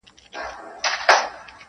کښته پسي ځه د زړه له تله یې را و باسه,